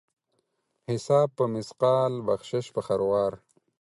حساب په مثقال ، بخشش په خروار.